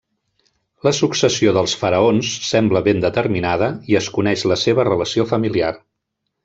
La successió dels faraons sembla ben determinada i es coneix la seva relació familiar.